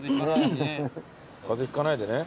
風邪ひかないようにね。